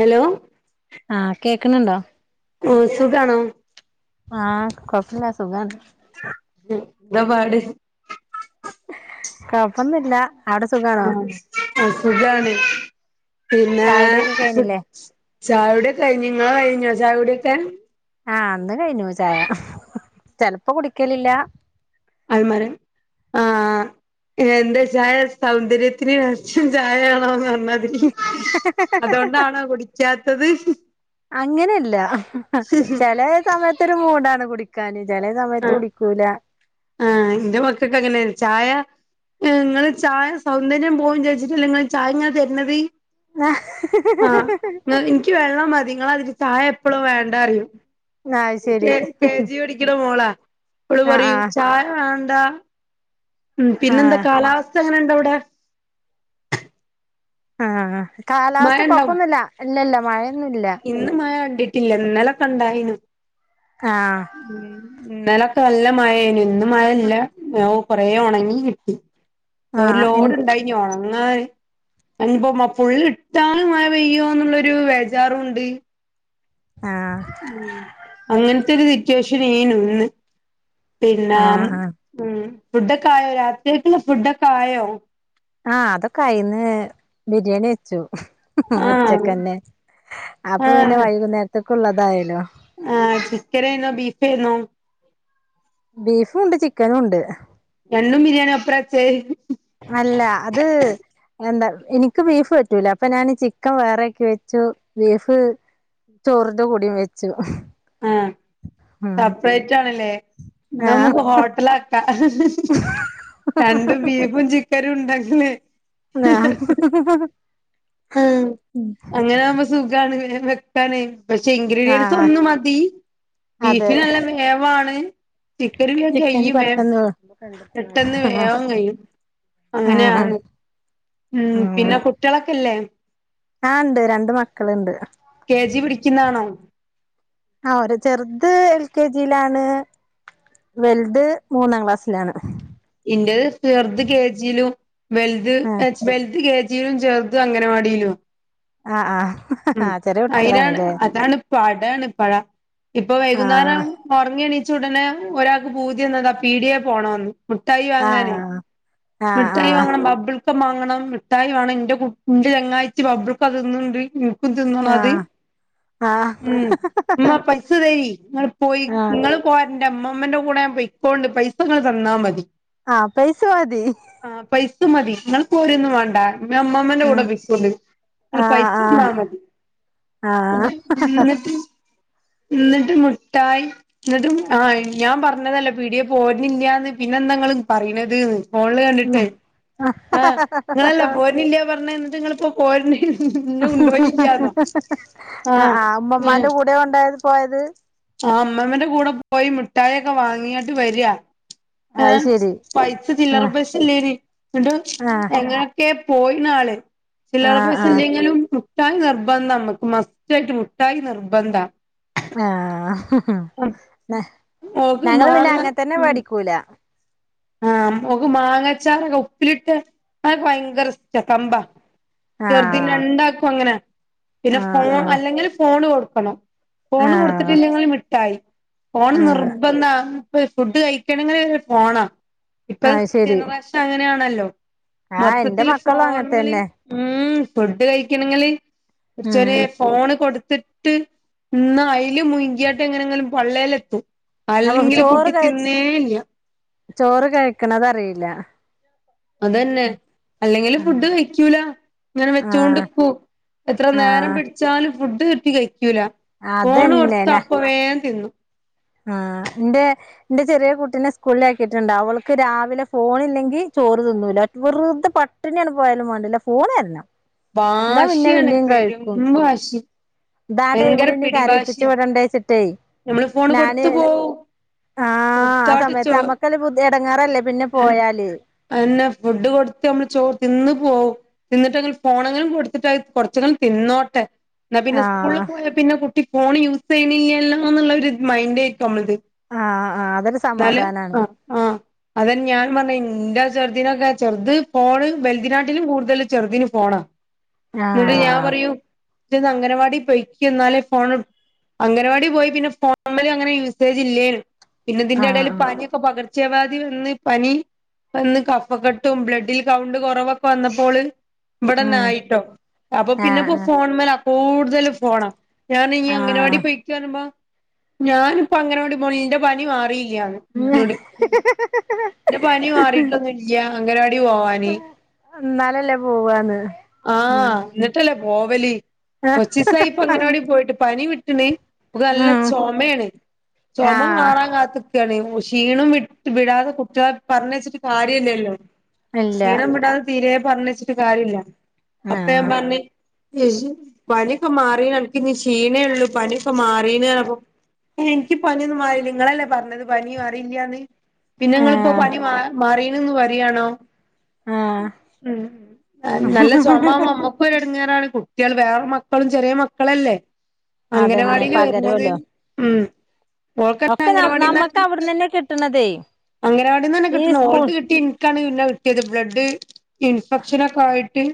Hello ആഹ് കേക്ക്ണ് ണ്ടോ? ഉമ് സുഖാണോ? ആഹ് കൊഴപ്പല്ല സുഖാണ് ന്താ പാട് കൊഴപ്പന്നൂല്ല ആഹ് സുഖാണ് പിന്നെ ചായുടിയൊക്കെ സു കഴിഞ്ഞില്ലേ? ചായൊട്യൊകെ കഴിഞ്ഞ് ഇങ്ങളെ കഴിഞ്ഞോ ചായൊട്യൊക്കെ ആഹ് ഇന്ന് കഴിഞ്ഞു ചായ ചെലപ്പോ കുടിക്കലില്ല അൽമാര ആഹ് എന്താ ചായ സൗന്ദര്യത്തിന്റെ രഹസ്യം ചായയാണോന്ന് പറഞ്ഞ ത് അതൊണ്ടാണോ കുടിച്ചാത്തത് അങ്ങനെയല്ല ചെല സമയത്തൊരു മൂടാണ് കുടിക്കാൻ ചില സമയത്ത് കുടിക്കൂല ആഹ് ന്റെ മക്കക്കങ്ങനേണ് ചായ നിങ്ങള് ചായ സൗന്ദര്യം പോകും വിചാരിച്ചിട്ടല്ലേ ഇങ്ങള് ചായ ഇങ്ങെനെ തര്ണത് [unintelligible] ഇക്ക് വെള്ളം മതി ഇങ്ങളെ മാതിരി ചായ എപ്പോഴും വേണ്ട അറിയും ആഹ് ശരി കെ കെ ജി പടിക്കണ മോളാ ഓള് ആഹ് പറയൂ ആഹ് ചായ വേണ്ട ഉമ് പിന്നെ എന്താ ആഹ് കാലാവസ്ഥ എങ്ങനെണ്ട് അവിടെ ആഹ് മഴ കാലാവസ്ഥ ഇണ്ടോ കൊഴപ്പൊന്നൂല്ല ഇല്ല ഇല്ല മഴയൊന്നൂല്ല ഇന്ന് മഴ കണ്ടിട്ടില്ല ഇന്നലൊക്കെ ണ്ടായിനു. ആഹ് ഉം ഇന്നലൊക്കെ നല്ല മഴേനു ഇന്ന് മഴ ഇല്ല കൊറെ ഉണങ്ങി കിട്ടി ഒരു ആഹ് ഇൻ ലോഡ് ഇണ്ടായി ഞ്ഞി ഉണങ്ങാൻ അതിന് പ്പോ ഫുൾ ഇട്ടാൽ മഴ പെയ്യൊന്നുള്ള ഒരു വെജ വേജാറുണ്ട് ആ ഉം അങ്ങനെത്തൊരു സിറ്റുവേഷൻ എയ്ന് ന്ന് പിന്നേം ആഹ് ആഹ് ഉമ് ഫുഡൊക്കെ ആയോ രാത്രിയക്കുള്ള ഫുഡൊക്കെ ആയോ ആഹ് അതൊക്കെയിന്ന് ബിരിയാണി വെച്ചു ആഹ് ഉച്ചക്കന്നെ അപ്പൊ പിന്നെ ആഹ് വൈകുന്നേരത്തേക്ക ഉള്ളതായാലോ. ആഹ് ചിക്കൻ ഏയ്‌നോ ബീഫ് ഏയ്‌നോ ബീഫും ഉണ്ട് ചിക്കനും ഉണ്ട് രണ്ടും ബിരിയാണി ഒപ്പരാ ചെ അല്ലാ അത് എന്താ എനിക്ക് ബീഫ് പറ്റൂല അപ്പൊ ഞാൻ ചിക്കൻ വേറാക്കി വെച്ചു ബീഫ് ചോറിന്റെ കൂടിയും വെച്ചു ആഹ് ഉം സപ്പറേറ്റ് ആണല്ലേ ആഹ് നമുക്ക് ഹോട്ടൽ ആക്കാം രണ്ടു ബീഫും ചിക്കനും ഉണ്ടാക്കിന്നേ ആം ആഹ് അങ്ങനെ ആവുമ്പോ സുഖാണ് വേഗം വെക്കാനേ പക്ഷെ ഇൻഗ്രീഡിയൻസ് ആഹ് ഒന്ന് മതി അതെ ബീഫിന് നല്ല വേവാണ് ചിക്കനെല്ലാം ചിക്കന് കയ്യും വേം പെട്ടെന്ന് പെട്ടെന്ന് ആഹ് വേവാൻ കയ്യും ആഹ് അങ്ങനെയാണ് ഉമ് ആഹ് പിന്നെ കുട്ടിളൊക്കെല്ലേ ആഹ് ഇണ്ട് രണ്ട് മക്കൾണ്ട് കെ ജി പഠിക്കുന്ന ആണോ ആ ഒരു ചെറുത് എൽ കെ ജി യിലാണ് വെൽത് മൂന്നാംക്ലാസ്സിലാണ് ഇന്റേത് ചെറുത് കെജിയിലും വെൽത് ആഹ് എച്ച് വെൽത് കെ ജി ലും ചെർത് അംഗനവാടിയിലും ആഹ് ആഹ് ഉം ആഹ് ചെറിയ അയ്നാണ് കുട്ടികളാണല്ലേ അതാണ് പടയാണ് പഴ ഇപ്പൊ വൈകുന്നേരം ആഹ് ഉറങ്ങി എണീച്ച ഉടനെ ഒരാൾക്ക് പൂതി വന്നതാ പീടിയെ പോണന്ന് മിഠായി വാങ്ങാനേ ആഹ് ആഹ് മിഠായി ആഹ് വാങ്ങണം ബബിൾഗം ക്കം വാങ്ങണം മിട്ടായിവേണം എൻറെ കു എന്റെ ചങ്ങായിച്ച് ബബിൾക്കം തിന്നണൊണ്ട് [unintelligible] അത് ആഹ് ആഹ് ഉം ഉമ്മ പൈസ തരി നിങ്ങള് പോയി ആഹ് നിങ്ങള് ങ്ങള് പോരേണ്ട മ്മമ്മ ന്റെ കൂടെ ഞാൻ പൊയ്ക്കൊണ്ട് പൈസങ്ങൾ തന്നാ മതി ആഹ് പൈസ മതി. ആ പൈസമതി ഇങ്ങള് പോരൊന്നും വേണ്ട മ്മമ്മ ന്റെ കൂടെ ആഹ് പൊയ്ക്കൊണ്ട് നിങ്ങള് പൈസ ന്നാ ആഹ് മതി ആഹ് ആഹ് എന്നട്ട് എന്നിട്ട് മുട്ടായി എന്നിട്ട് ആഹ് ഞാൻ പറഞ്ഞതല്ല പീടിയെ പോരുന്നില്ല ന്ന് പിന്നെ എന്താ ങ്ങള് പറയിണത്ന്ന് ഫോണിൽ കണ്ടിട്ട് ആഹ് നിങ്ങളല്ലാ പോർന്നില്ല പറഞ്ഞ എന്നിട്ട് നിങ്ങളിപ്പോ പോര്ൻ ആഹ് ആഹ് ഏഹ് ഉമ്മമാന്റെ കൂടെ ഉണ്ടായത് പോയത് ആഹ് മ്മമ്മ ന്റെ കൂടെ പോയ്‌ മുട്ടായി ഒക്കെ വാങ്ങിയാട്ട് വര അത് ഏഹ് ശരി പൈസ ചില്ലറ ആഹ് പൈസ ല്ലേനി ന്നട്ട് ആഹ് എങ്ങന ക്കെ പോയനാല് ചില്ലറ ആഹ് പൈസ ആഹ് ല്ലെങ്കിലും മുട്ടായി നിർബന്ധം നമുക്ക് മസ്റ്റായിട്ട് മുട്ടായി നിർബന്ധാ ആഹ് ഞ ഓക്ക് ഞങ്ങൾ പിന്നെ മാങ്ങ അങ്ങനെ തന്നെ വേടിക്കൂല ആ ഓക്ക് മാങ്ങച്ചാറൊക്കെ ഉപ്പിലിട്ട് അതൊക്കെ ഭയങ്കര ഇഷ്ട കമ്പ ചെറുതിന് ആഹ് രണ്ടാക്കും അങ്ങനെ പിന്നെ ആഹ് ഫോൺ ആഹ് അല്ലെങ്കിൽ ഫോണ് കൊടുക്കണം ഫോണ് ആഹ് കൊടുത്തിട്ടില്ലെങ്കും മിട്ടായി ഫോണ് ആഹ് നിർബന്ധ ഫുഡ് കഴിക്കണെങ്കില് ഫോണാ ഇപ്പൊ അത് ശരി ജനറേഷൻ അങ്ങനെയാണല്ലോ ആഹ് എന്റെ മൊത്തത്തില് മക്കളും അങ്ങനെ ഫോണില് തന്നെ ഉം ഫുഡ് കഴിക്കണമെങ്കിൽ ഉം [unintelligible] ഫോണ് കൊടുത്തിട്ട് ഇന്ന് അയിൽ മുങ്കിയാട്ട് എങ്ങനെങ്കിലും പൊള്ളയിലെത്തും അപ്പൊ അല്ലെങ്കിൽ ചോറ് കുട്ടി കഴിച്ച് തിന്നേല്ല ചോറ് കഴിക്കണതറിയില്ല അതന്നെ അല്ലെങ്കില് ആഹ് ഫുഡ് കഴക്കൂല ഇങ്ങനെ വെച്ചൊണ്ട് ഇക്കൂ എത്ര നേരം ആഹ് പിടിച്ചാലും ഫുഡ് കിട്ടി കഴിക്കൂല ഫോണ് കൊടുത്ത് അതന്നെ അപ്പ വേൻ തിന്നു ആഹ് എന്റെ എന്റെ ചെറിയ കുട്ടീനെ സ്കൂളില ആക്കിയിട്ടുണ്ട് അവൾക്ക് രാവിലെ ഫോണ ഇല്ലെങ്കി ചോറ് തിന്നില്ല വെറുതെ പ പട്ടനെയാണ് പോയാലും വേണ്ടില്ല ഫോണരണം എന്നാ പിന്നേ വാശിയാണ് പിന്നേയും പെരും കഴിക്കും വാശി ട ടൈമിൽ ഭയങ്കര ഇവിടുന്നു കരയിപ്പിച്ചു പിടിവാശിയാ വിടേണ്ടച്ചിട്ടേ നമ്മള് ഫോണ് കൊടുത്തു പോവും ആഹ് ആ കൊടുത്താട്ട് സമയത്ത് ചോ നമ്മുക്കല്ല ബുധ ഇടങ്ങാറല്ലേ പിന്നെ പോയാല് അന്നെ ഫുഡ് കൊടുത്ത് നമ്മള് ചോറ് തിന്നു പോവും തിന്നിട്ടെങ്കിൽ ഫോണെങ്കിലും കൊടുത്തിട്ടായി കുറച്ചങ്ങും തിന്നോട്ടെ എന്നാ പിന്നെ സ്കൂളിൽ ആഹ് പോയാ പിന്നെ കുട്ടി ഫോൺ യൂസ് ചെയ്യണില്ലല്ലോ എന്നുള്ള ഒരു മൈൻഡ് ആയിരിക്കും നമ്മളിത് ആഹ് ആഹ് അതൊരു താല് സമാധാനാണ് ആഹ് ആഹ് അതെ ഞാൻ പറഞ്ഞ എന്റെ ചെറുദിനൊക്കെ ചെറുത് പോണ് വലുതി നാട്ടിലും കൂടുതൽ ചെറുതിനു ഫോണാ എന്നിട്ട് ഞാൻ ആഹ് പറയൂ ഇന്ന് അംഗനവാടി പോയിക്ക്ന്നാലേ ഫോൺ അംഗനവാടി പോയി പിന്നെ ഫോണ അങ്ങനെ യൂസേജ് ഇല്ലേലും പിന്നെ ആഹ് ഇതിന്റെടയിൽ ആഹ് പനി ഇപ്പ പകർച്ചവ്യധി വന്ന് പനി അന്ന് കഫ കെട്ടും ബ്ലഡിൽ കൗണ്ട് കുറവൊക്കെ വന്നപ്പോള് ഉം ഇവിടെന്നായിട്ടോ അപ്പൊ ആഹ് പിന്നെപ്പോ ആഹ് ഫോൺ മേല കൂടുതലും ഫോൺ ഞാൻ ഇനി അങ്ങനവാടി ആഹ് പയിക്ക പറയുമ്പോ ഞാനിപ്പ അങ്ങനവാടി പോ എന്റെ പനി മാറിയില്ലാന്ന് യൊട് എന്റെ പനി മാറിട്ടൊന്നുംല്ല അംഗനവാടി പോവാന് എന്നാലല്ലേ പോവന്ന് ആഹ് എന്നിട്ടല്ലേ പോവലി കൊച്ചിസായിപ്പ അങ്കണവാടിയില് പോയിട്ട് പനി വിട്ടണ് ഇത് നല്ല ഉം ചുമയാണ് ചുമ ആഹ് മാറാൻ കാത്ത് [unintelligible] ക്ഷീണം വിട്ട് വിടാതെ കുട്ടിക പറഞ്ഞ വെച്ചിട്ട് കാര്യമല്ലല്ലോ ഇല്ല ക്ഷീണം വിടാതെ തീരെ പറഞ്ഞച്ചിട്ട് കാര്യമില്ല ആഹ് അപ്പഞാൻപറഞ്ഞ പനിയൊക്കെ മാറീക്ക ഇനിക്കിനി ക്ഷീണേ ഉള്ളു പനിയൊക്കെ മാറീനപ്പ എനിക്ക് പനിന്ന് മാറില നിങ്ങളല്ലേ പറഞ്ഞത് പനി മറിയില്ലന്ന് പിന്നെ ആഹ് ങ്ങിപ്പോപനി മാ മാറീണന്ന് പറയിയാണോ ആഹ് ഉം നല്ല ചുമ്മായു കുമ്പ നമ്മക്കും ഇടങ്ങാറാണ് കുട്ടികൾ വേറെ മക്കളും ചെറിയ മക്കളല്ലേ അതന്നെ അംഗനവാടില് വരുന്നത് പകരുവല്ലോ ഉം ഓൾക്ക്ന്നെ ഒക്കെ ന അംഗവാടി നമ്മക്ക് അവിടന്നന്നെ കിട്ടണതേ അംഗനവാടിന്ന്ന്നെ ഈ കിട്ടണ ഓൾ സ്കൂൾ ക്ക് കിട്ടി ടാണ് പിന്നെ കിട്ടിയത് ബ്ലഡ് ഇൻഫെക്ഷ്ൻ ഒക്കെ ആയിട്ട്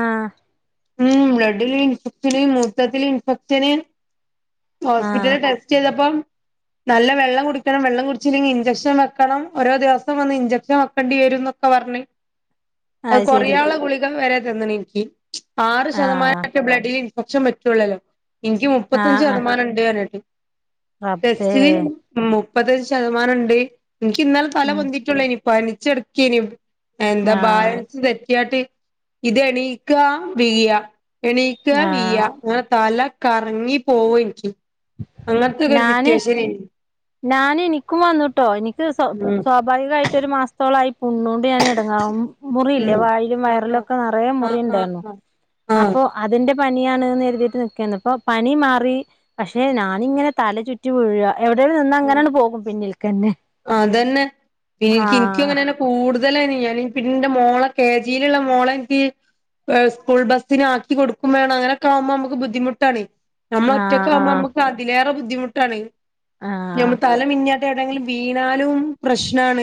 ആഹ് ഉം ബ്ലഡില് ഇൻഫക്ശന മോത്തത്തില് ഇൻഫക്ശനെ ആഹ് ഹോസ്പിറ്റലില് ടെസ്റ്റ് ചെയ്തപ്പം നല്ല വെള്ളം കുടിക്കണം വെള്ളം കുടിച്ചില്ലെങ്കിൽ ഇൻചെക്ഷൻ വെക്കണം ഓരോ ദിവസം വന്ന് ഇഞ്ചെക്ഷൻ വെക്കേണ്ടി വരുന്ന അഹ് പറഞ്ഞ് അത് കൊറയുള്ള ഗുളികൾ വരെ തി ന്നണ എനിക്ക് ആറ് ആഹ് ശതമാന ബ്ലഡില് കൊറച്ച പറ്റുള്ളല്ലോ എനിക്ക് മുപ്പത്തഞ്ച് ആഹ് ആഹ് ശതമാനണ്ട്റിഞ്ഞാട്ട് റബ്ബേ ടെസ്റ്റ് ല് മുപ്പത് ശതമാനണ്ട് എനിക്ക് ഇന്നലെ തല ഉം പൊന്നിട്ടുള്ളേ ഇനി പനിച്ചിടക്കനി എന്താ ഭ ആഹ് സ് തെറ്റ്യാട്ട് ഇത് എണീക്കാ വീഴാ എണീക്കാ ആഹ് വീഴാ ങ്ങനെ തല കർങ്ങി പോവ ഇൻക്ക് അങ്ങൻത്തൊക്കെ ഒരു നാന് സിറ്റുവേഷനേനി നാന് ഇനിക്കും വന്നൂട്ടോ ഇനിക്ക് സാെ ഉം സോ ഭാവികായിട്ടാെര് മാസ് ത്തോളായി പുണ്ണാേണ്ട് ഞാൻ എടെങ്ങേറാവും മുറിയില്ലേ ഉം വായിലും ആഹ് വയറിലൊക്കെ നെറേ ആഹ് ആഹ് മുറിണ്ടായ്ര്ന്നു ആഹ് ആഹ് അപ്പൊ അതിന്റെ പനിയാണ്ന്ന് കെര്തീട്ട് നിക്കേന്നു പ്പൊ പനി മാറി പക്ഷെ നാനിങ്ങെനെ തല ചുറ്റിവീഴാ എവിടെലും നിന്നാ ആഹ് അങ്ങെനാണ്ട് പോകും പിന്നിൽക്കെന്നെ ആഹ് കൂട്തെലെന്നേണ് പിന്നെന്റെ മോളെ കെജീല്ള്ളെ മോളെ ൻക്ക് ഏഹ് സ്കൂൾ ബസ്സിനാക്കി കൊട്ക്കും വേണം അങ്ങെനെക്കെ ആവുമ്പം അമ്മക്ക് ബുദ്ധിമുട്ടാണേ ആഹ് ഞമ്മളൊറ്റക്കാവുമ്പോ ആഹ് നമുക്ക് അതിലേറെ ബുദ്ധിമുട്ടാണ് ഞാം ആഹ് തലമിന്ന്യാട്ടേടെങ്കിലും വീണാലും പ്രശ്നാണ്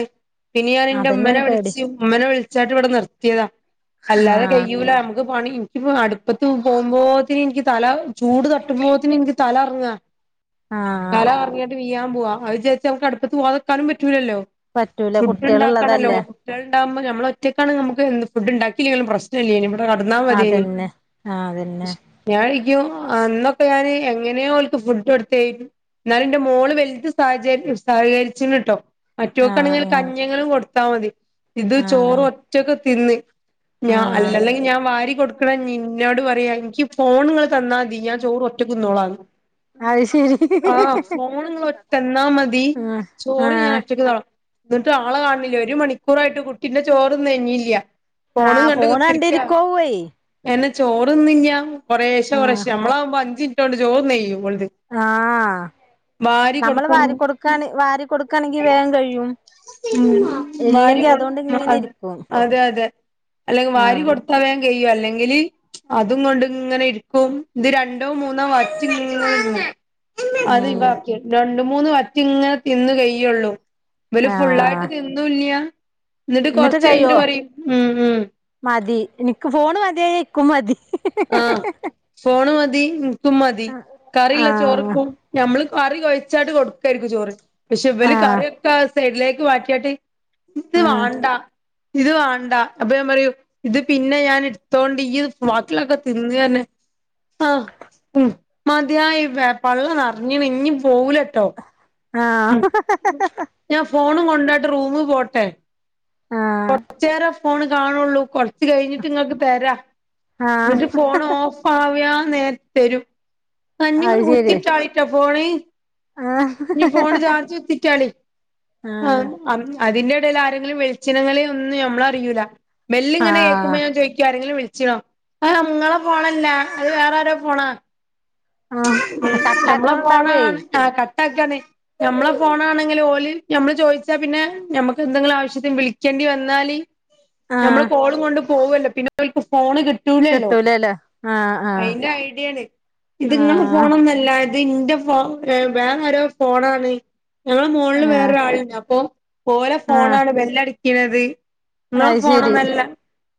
പിന്നെ ഞാന് ന്റെ ഉമ്മനെ അതന്നെയാണ് പേടി വിളിച്ചു മ്മനെ വിളിച്ചാട്ട് ഇവിടെ നിർത്തിയതാ അല്ലാതെ ആഹ് കെയ്യൂല ഞമ്മക്ക് പണിം ഇപ്പ അട്പ്പത്ത് പോവുമ്പോത്തിനിനിക്ക് തല ചൂട് തട്ടുമ്പോത്ത്ന് ഇൻക്ക് തലർങ്ങാ ആഹ് തല കർങ്ങ്യാട്ട് വീയാൻ പോവാ അത്ചാര്ച്ച് ഞമ്മക്ക് അട്പ്പത്ത് പോവാതെക്കാനും പെറ്റൂലല്ലോ പറ്റൂല ഫുഡ്ണ്ടാക്കണല്ലോ കുട്ടികളുള്ളതല്ലേ കുട്ട്യേള്ണ്ടാവുമ്പം ഞമ്മളാെറ്റെക്കാണെ നമ്ക്ക് എന്ത് ഫുഡ്ണ്ടാക്കില്ലേലും പ്രശ് ല്ലേനി ഇബടെ കട്ന്നാ മത്യേനി അതന്നെ ആഹ് അതന്നെ ഞാൻരിക്കും അന്നൊക്കെ ഞാന് എങ്ങനെയോൽക്ക് ഫുഡാെട്ത്തെ ന്നാലും ന്റെ മോള് വെൽത് സഹച സഹകരിച്ചിണ് ട്ടോ ആഹ് മറ്റോക്കാണെങ്കില് ആഹ് കഞ്ഞ്യെങ്ങിലും കൊട് ത്താ മതി ഇത് ആഹ് ചോറൊറ്റക്ക് തിന്ന് ഞാ ആഹ് അല്ലാന്ന്ണ്ടെല്ലെങ്കിൽ ഞാൻ വാരി കൊട് ക്ക്ണെഞ്ഞി ഇന്നോട് പറ്യാ ഇൻക്ക് ഫോണ്ങ്ങള് തന്നാ മതി ഞാൻ ചോറ് ഒറ്റെക്ക് ന്നോളാന്ന് അത് ശെരി ആഹ് ഫോണ്ങ്ങള് ഒ തന്നാമതി ആഹ് ചോറ് ഞാൻ ആഹ് ഒറ്റക്ക്ന്നോളാം ന്നട്ടും ആളെ കാൺണില്ല ഒര് മണിക്കൂറായിട്ടും കുട്ടിന്റെ ചോറ്ന്നയ്ഞ്ഞീല്ല്യാ ഫോണും ആഹ് കണ്ട് ഫോണ് കുത്തിരിക്കാ കണ്ടിരിക്കോവ്വേ എങ്ങ്നെ ചോർന്ന്യ്യാ കൊറേശ്ശെ ആഹ് കൊറേശ്ശ ഞമ്മളാവുമ്പോ അഞ്ചിൻറ്റോണ്ട് ചോറ്ന്നെയ്യും ഓൽത് ആ നമ്മള് വാരി കൊടുക്കും കൊടുക്കണ് വാരി കൊടുക്കയാണെങ്കി വേഗം കഴിയും ഉം വാരി ഇല്ലെങ്കി കൊട് അതുകൊണ്ട് അഹ് ഇങ്ങനെ അത് ഇരിക്കും അതെ അതെ അല്ലെങ്കി വാരി ആഹ് കൊട് ത്താ വേം കെയ്യും അല്ലെങ്കില് അതും കൊണ്ട്ങ്ങെനെ ഇരിക്കും ഇത് രണ്ടോ മൂന്നോ വറ്റ്ങ്ങെ അത് ആഹ് ഇബാക്ക്യെ രണ്ട് മൂന്ന് വറ്റ്ങ്ങെനെ തിന്ന് കെയ്യാെള്ളു ഇവല് ഫുള്ളായ്ട്ട് ആഹ് തിന്നൂല്ല്യാ ന്നട്ട് എന്നിട്ട് കഴിയോ കൊർച്ചെയ്ഞ്ഞിട്ട് പറയും ഉം ഉം മതി എനിക്ക് ഫോണ് മത്യായ ഇക്കും മതി ആഹ് ഫോണ് മതി ൻക്കും മതി കറിള്ള ആഹ് ചോറ്ക്കും ഞമ്മള് കറി കൊഴ്ച്ചാട്ട് കൊടുക്കായ്ര്ക്കും ചോറ് പക്ഷെ ഇവല് ആഹ് കറ്യൊക്കെ ആ സൈഡിലേക്ക് മാറ്റ്യാട്ട് ഇത് ആഹ് വാണ്ടാ ഇത് വണ്ടാ അപ്പൊ ഞാൻ പറയും ഇത് പിന്നെ ഞാൻ ഇട്ത്തോണ്ട് ഇയ്യ്ത് [unintelligible] ലക്കെ തിന്നേന്നെ ആഹ് ഉം മത്യായിബെ പള്ള നറ്ഞ്ഞ്ണ് ഇഞ്ഞ് പോവൂലട്ടോ ആഹ് ഞാൻ ഫോണും കൊണ്ടാട്ട് റൂമ് പോട്ടെ ആഹ് കൊർച്ചേരം ഫോണ് കാണാെള്ളൂ കൊ ച്ച് കയ്ഞ്ഞിട്ട് ഇങ്ങക്ക് തെരാ ആഹ് എന്നിട്ട് ഫോണ് ഓഫാവിയാൻനേര്ത്ത് തെരും ആഹ് ഞ്ഞിങ്ങള് അത് ശരി കുത്തിട്ടാളിട്ടൊ ഫോണ് ആഹ് ഞ്ഞ് ഫോണ്ല് ചാർജ്ത്തിറ്റാളി ആഹ് ആം അതിന്റെടേല് ആരെങ്കിലും വിളിച്ചിണങ്ങളെ ഒന്നും ഞമ്മളറിയൂലാ ബെല്ല് ഇങ്ങനെ ആഹ് കേക്കുമ്പോ ഞാൻ ചോദിക്കും ആരെങ്കിലും വിളിച്ചിണോ അ നിങ്ങളെ ഫോണല്ല അത് വേറെരോ ഫോണാ ആഹ് നമ്മളെ കട്ടാക്കണ് ണ്ടാവേ ഫോണാണ് ആഹ് കട്ടാക്കാണ് ഞമ്മളെ ഫോണാണെങ്കിലിലോല് ഞമ്മള് ചോയ്ച്ചാ പിന്നെ ഞമ്മക്കെന്തെങ്കിലും ആവശ്യത്തിന് വിളിക്കെണ്ടി വന്നാല് നമ്മള് ആഹ് കോളും കൊണ്ട് പോകല്ലോ പിന്നെ അവർക്ക് ഫോൺ കി കിട്ടൂലല്ലോ ആഹ് ആഹ് അയിന്റെ ഐഡിയാണ്. ഇത്ങ്ങളെ ആഹ് ഫോണൊന്നൊല്ല. ഇത് ഇന്റെ ഫോ വേറെ രോ ഫോണാണ്. ഞങ്ങളെ മോളില് ആഹ് വേറൊരാള്ണ്ട് അപ്പൊ ഓലെ ആഹ് ഫോണാണ് ബെ ല്ലടിക്ക്ണത്. ഇങ്ങളെ അത് ശരി ഫോണൊന്നല്ല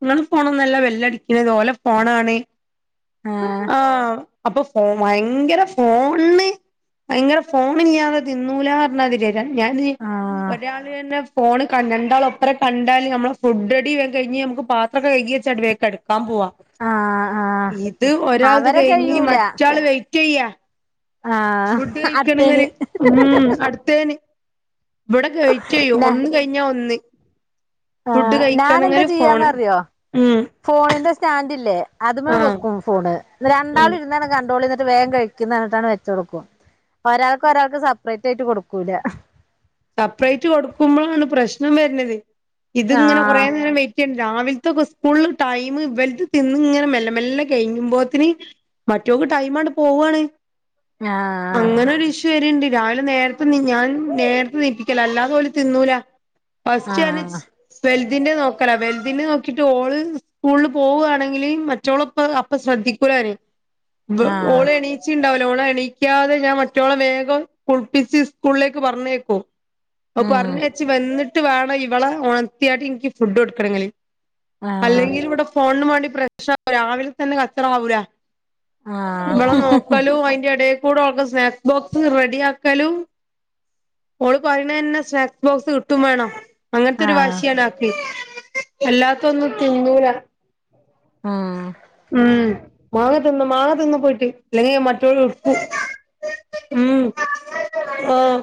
ഇങ്ങളെ ഫോണൊന്നല്ല വെല്ലടിക്കണത് ഓലെ ഫോണാണ്. ആഹ് അപ്പൊ ഫോ ഭയങ്കര ഫോണ് ഭയങ്കര ഫോണ് ഇല്ലാതെ തിന്നൂല പറഞ്ഞാതിരി ഞാന് ആഹ് ഒരാള് തന്നെ ഫോണ് രണ്ടാൾ ഒപ്പരം കണ്ടാല് നമ്മള് ഫുഡ്ഡടി വേഗം കഴിഞ്ഞ് നമുക്ക് പാത്രൊക്കെ കഴകചാണ്ട് വേം കെട്ക്കാൻ പോവാ ആഹ് ആഹ് ഇത് ഒരാൾത് അവരെ കഴിഞ് കഴിയൂല മറ്റാള് വൈറ്റ് യ്യാ ആഹ് ഫുഡ് അടുത്തേന് കഴിക്കണങ്കില് ഉം അട്ത്തേന് ഇവിടെ കയ് ന ചെയ്യും ഒന്ന് കഴിഞ്ഞ ഒന്ന് ഫുഡ് ആഹ് ഞാൻ എന്താ കഴിക്കണങ്കില് ഫോണ് ചെയ്യാന്നറിയോ ഉം ഫോണിന്റെ സ്റ്റാൻഡില്ലേ അത് ആഹ് വെക്കും ഫോണ് ഉം രണ്ടാളും ഇരുന്നങ്ങട്ട് കണ്ടോളി, ന്നട്ട് വേഗം കഴിക്കും ഞ്ഞിട്ടാണ് വെച്ചൊട്ക്കും അപ്പൊ ഒരാൾക്ക് ഒരാൾക്ക് സെപ്പറേറ്റ് ആയിട്ട് കൊടുക്കൂല. സെപ്പറേറ്റ് കൊടുക്കുമ്പളാണ് പ്രശ്നം വെര്ണത്. ഇതിങ്ങനെ കൊറേ ആഹ് നേരം വെയ് സത്യാണ് രാവിൽത്തൊക്കെ സ്കൂള് ടൈം ഇവല്ത് തിന്ന്ങ്ങനെ മെല്ലെ മെല്ലെ കെഴഞ്ഞുമ്പോത്തിന് മറ്റോക്ക് ടൈം അങ്ങട് പോവാണ്. ആഹ് അങ്ങനൊരു ഇഷ്യു വെര്ണ്ട് രാവിലെ നേരത്തെ ണീ ഞാൻ നേര് പ്പിക്കല അല്ലാതെ ഓൽ തിന്നൂല ഫസ്റ്റ് ആഹ് വെലുതിന്റെറെ നോക്കല വെലുതി നോക്കിട്ട് ഓള് സ്കൂളിൽ പോവുകയാണെങ്കിൽ മറ്റോളം അ അപ്പൊ ശ്രദ്ധിക്കൂലോര്, ആഹ് ഓളെണീ ണീച്ചിണ്ടാവൂല ഓള് എണിക്കാതെ ഞാ മറ്റോളെ വേഗം കുൾപ്പിച്ച് സ്കൂൾലേക്ക് പറഞ്ഞേക്കും. അപ്പൊ ഉം പർഞ്ഞേച്ച് വെന്നിട്ട് വേണം ഇവളെ ഓൺത്തിയാട്ട് ഇൻക്ക് ഫുഡൊടുക്കണെങ്കില് ആഹ് അല്ലെങ്കിൽ ഇവിടെ ഫോണന് വേണ്ടി പ്രശ്ന രാവിലെ തന്നെ കച്ചറ മാറൂല. ആഹ് ഇവളെ നോക്കാലും അതിന്റെ എടെ ക്കൂടെ ഓൾക്ക് ക്ക് സ്നാക്സ് ബോക്സ് റെഡി ആക്കലും ഓള് പറയണന്നെ സ്നാക്സ് ബോക്സ് കിട്ടും വേണം. അങ്ങനത്തെ ഒരു ആഹ് വാശിയാണ്. അല്ലാത്തൊന്നും തിന്നൂല. ഉം ഉം മാങ്ങ തിന്ന് മാങ്ങ തിന്ന് പോയിട്ട് ഇല്ലെങ്കിൽ മറ്റൊൽ ഇട്ക്കും. ഉം ആഹ്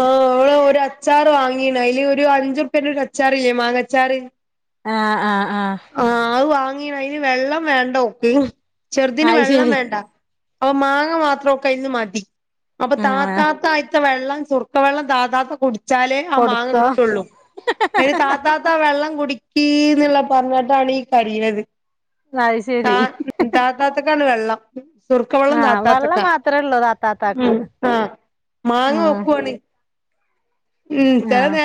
ആഹ് ഓള് ഒരു അച്ചാറ് വാങ്ങീണ് അയില് ഒരു അഞ്ചുർപേന്റൊരു അച്ചാറില്ലേ മാങ്ങച്ചാറ്. ആഹ് ആഹ് ആഹ് ആഹ് അത് വാങ്ങീണ് അയിലെ വെള്ളം വേണ്ടോക്ക് ചെറുതിന് അത് വെള്ളം ശരി വേണ്ട. അപ്പൊ മാങ്ങ മാത്രൊകയ്ന്ന് മതി. അപ്പൊ ഉം താതാത്ത അയ് വെള്ളം സുർക്ക വെള്ളം താതാത്ത കുടിച്ചാലേ ആ മാങ്ങ കൊടുത്തോ കിട്ടൊള്ളൂ. പി താ താ വെള്ളം കുടിക്കീന്ന്ള്ള പറഞ്ഞിട്ടാണ് ഈ കരീണത്. ലായി [unintelligible] ത താത്താത്തക്കാണ് വെള്ളം സുർുക്ക വെള്ളം ആഹ് വെള്ളം താത്താക്കട്ടോ മാത്രേ ഉള്ളൂ താത്താത്താക്ക് ഉം ആഹ് മാങ്ങ ഉം ഓക്കുവാണ്. ഉം ചെല ആഹ് നേരത്ത്